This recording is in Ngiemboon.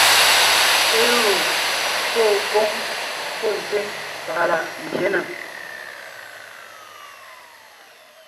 Éru fô kwóŋ pɔ́ ntsíŋ pàga láʼ mbyě nèm;